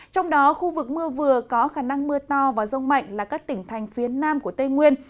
trong đó khu vực mưa vừa có khả năng mưa to và rông mạnh là các tỉnh thành phía nam của tây nguyên